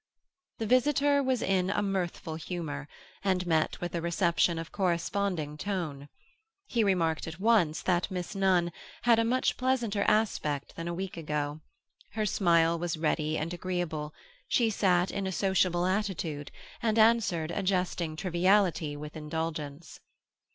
The visitor was in mirthful humour, and met with a reception of corresponding tone. He remarked at once that Miss Nunn had a much pleasanter aspect than a week ago; her smile was ready and agreeable; she sat in a sociable attitude and answered a jesting triviality with indulgence.